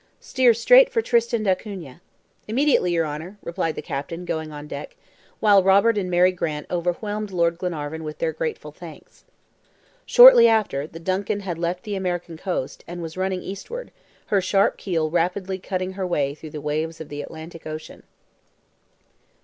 "Steer straight for Tristan d'Acunha." "Immediately, your Honor," replied the captain, going on deck, while Robert and Mary Grant overwhelmed Lord Glenarvan with their grateful thanks. Shortly after, the DUNCAN had left the American coast, and was running eastward, her sharp keel rapidly cutting her way through the waves of the Atlantic Ocean.